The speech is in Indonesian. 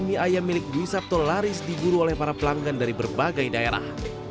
mie ayam milik dwi sabto laris diburu oleh para pelanggan dari berbagai daerah